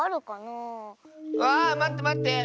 あまってまって！